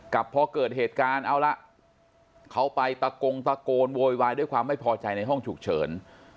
พอเกิดเหตุการณ์เอาละเขาไปตะกงตะโกนโวยวายด้วยความไม่พอใจในห้องฉุกเฉิน